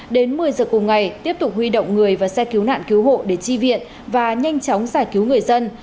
đến một mươi giờ cùng ngày tiếp tục huy động người và xe cứu nạn cứu hộ để chi viện và nhanh chóng giải cứu người dân